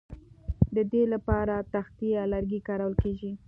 د دې لپاره تختې یا لرګي کارول کیږي